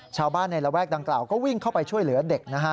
ชาวบ้านในระแวกดังกล่าวก็วิ่งเข้าไปช่วยเหลือเด็กนะฮะ